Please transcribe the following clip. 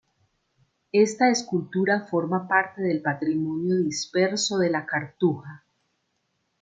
Esta escultura forma parte del patrimonio disperso de la cartuja.